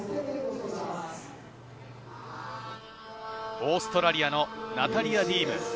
オーストラリアのナタリヤ・ディーム。